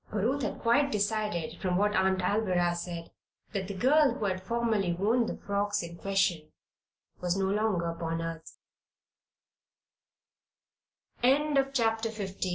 For Ruth had quite decided, from what Aunt Alvirah said, that the girl who had formerly worn the frocks in question was no longer upon earth. CHAPTER XVI